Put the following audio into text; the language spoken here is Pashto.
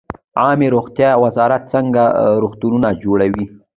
عامې روغتیا وزارت څنګه روغتونونه جوړوي؟